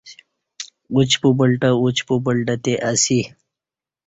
ا چ پپلٹہ اچ پپلٹہ تے ا سی